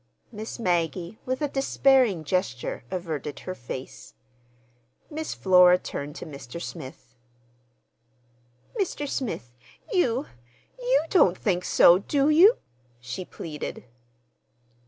Miss Maggie, with a despairing gesture, averted her face. Miss Flora turned to Mr. Smith. "Mr. Smith, you—you don't think so, do you?" she pleaded.